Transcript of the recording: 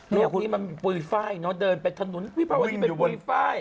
โลกนี้มันปุ๋ยไฟล์เนอะเดินไปถนนวิภาวดีเป็นปุ๋ยไฟล์